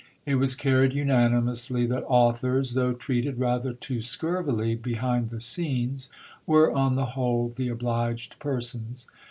It was carried unanimously that authors, though treated rather too scurvily be hind the scenes, were on the whole the obliged persons.